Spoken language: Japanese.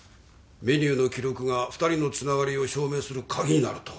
メニューの記録が２人のつながりを証明する鍵になると。